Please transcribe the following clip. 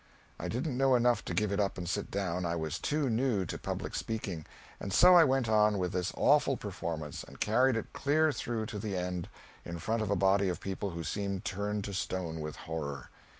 I didn't know enough to give it up and sit down, I was too new to public speaking, and so I went on with this awful performance, and carried it clear through to the end, in front of a body of people who seemed turned to stone with horror.